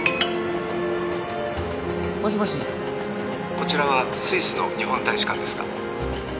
☎こちらはスイスの日本大使館ですが